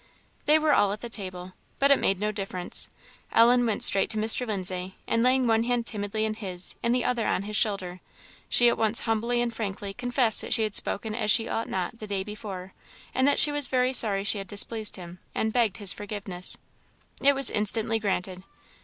They were all at the table. But it made no difference. Ellen went straight to Mr. Lindsay, and laying one hand timidly in his, and the other on his shoulder, she at once humbly and frankly confessed that she had spoken as she ought not the day before, and that she was very sorry she had displeased him, and begged his forgiveness. It was instantly granted.